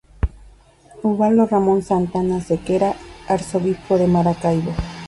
Ubaldo Ramón Santana Sequera, Arzobispo de Maracaibo.